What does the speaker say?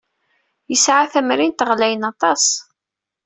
Yesɛa tamrint ɣlayen aṭas.